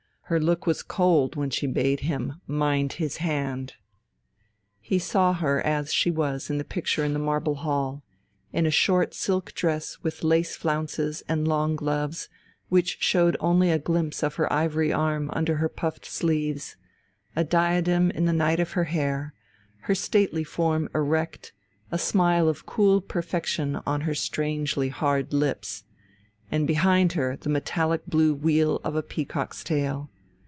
Her look was cold when she bade him mind his hand. He saw her as she was in the picture in the Marble Hall: in a short silk dress with lace flounces and long gloves, which showed only a glimpse of her ivory arm under her puffed sleeves, a diadem in the night of her hair, her stately form erect, a smile of cool perfection on her strangely hard lips and behind her the metallic blue wheel of a peacock's tail.